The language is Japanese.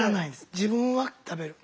自分は食べる。